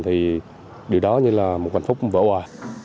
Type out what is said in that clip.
thì điều đó như là một hạnh phúc vỡ hòa